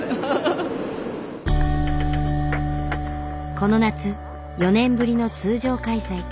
この夏４年ぶりの通常開催。